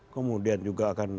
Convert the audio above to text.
kemudian juga akan